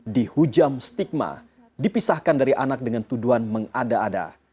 di hujam stigma dipisahkan dari anak dengan tuduhan mengada ada